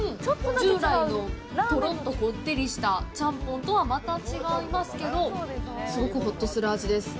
従来のとろっとこってりしたちゃんぽんとはまた違いますけど、すごくホッとする味です。